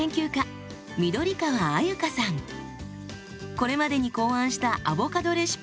これまでに考案したアボカドレシピ